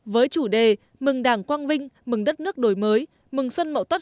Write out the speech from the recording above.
với chủ đề mừng đảng quang vinh mừng đất nước đổi mới mừng xuân mậu tuất hai nghìn một mươi tám